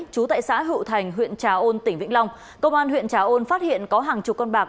chú tại xã hữu thành huyện trà ôn tỉnh vĩnh long công an huyện trà ôn phát hiện có hàng chục con bạc